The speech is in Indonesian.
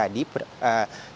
pada siang hari tadi